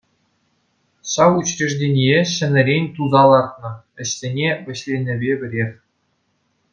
Ҫав учреждение ҫӗнӗрен туса лартнӑ, ӗҫсене вӗҫленӗпе пӗрех.